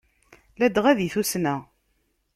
Ladɣa di tussna.